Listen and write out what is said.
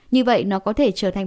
như vậy nó có thể trở thành